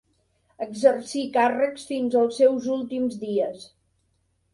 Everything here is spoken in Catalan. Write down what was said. Exercí càrrecs fins als seus últims dies.